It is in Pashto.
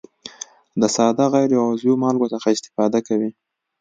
د ساده غیر عضوي مالګو څخه استفاده کوي.